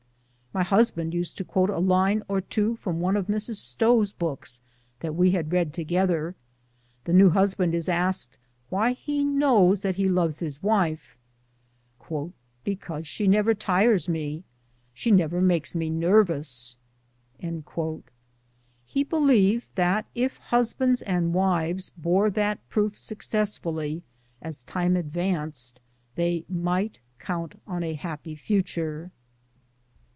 My husband used to quote a line or two from one of Mrs. Stowe's books that we had read together. The new husband is asked why he knows that he loves his wife :" Because she never tires me ; she never makes me nervous." He believed that if husbands and wives bore that proof successfully as time advanced, they might count on a happy future.